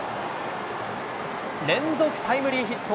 連続タイムリーヒット。